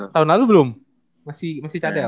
tahun lalu belum masih cadar